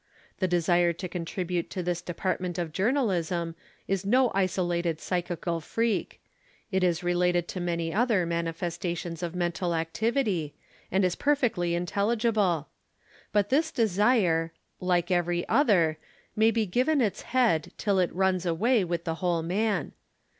The desire to contribute to this department of journalism is no isolated psychical freak; it is related to many other manifestations of mental activity, and is perfectly intelligible. But this desire, like every other, may be given its head till it runs away with the whole man.